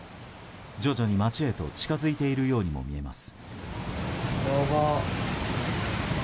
徐々に街へと近づいているようにも見えます。